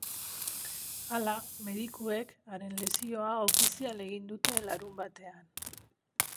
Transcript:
Hala, medikuek haren lesioa ofizial egin dute larunbatean.